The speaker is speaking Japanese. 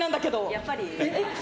やっぱり？